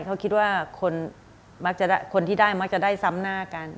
เขาคิดว่าคนมักจะคนที่ได้มักจะได้ซ้ำหน้ากัน